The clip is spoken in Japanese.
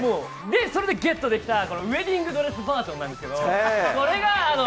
それでゲットできたウエディングドレスバージョンなんです。